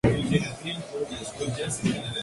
Es una de las canciones más populares del artista.